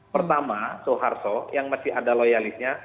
pertama soeharto yang masih ada loyalisnya